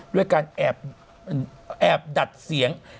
ด้วยการแอบดัดเสียง